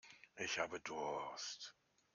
Ich habe Durst.